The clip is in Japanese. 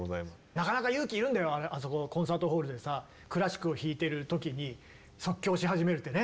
なかなか勇気いるんだよあそこのコンサートホールでさクラシックを弾いてる時に即興をし始めるってね。